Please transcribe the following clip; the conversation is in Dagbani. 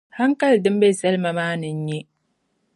Hankali din bɛ Salima maa ni n nyɛ;